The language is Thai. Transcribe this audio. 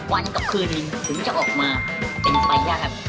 วันกับคืนนึงถึงจะออกมาเป็นไปได้ครับ